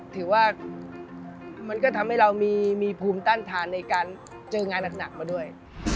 ถือว่ามันก็ทำให้เรามีภูมิต้านทานในการเจองานหนักมาด้วย